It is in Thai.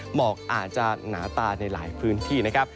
หมอกอาจจะหนาตาในหลายพื้นที่นะครับ